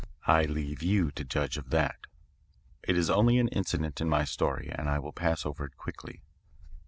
I leave you to judge of that. It is only an incident in my story and I will pass over it quickly.